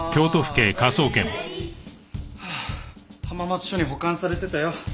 浜松署に保管されてたよ。